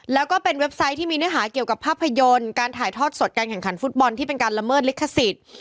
แล้วก็เป็นเว็บไซต์ที่มีเนื้อหาเกี่ยวกับภาพยนตร์การถ่ายทอดสดการแข่งขันฟุตบอลที่เป็นการละเมิดลิขสิทธิ์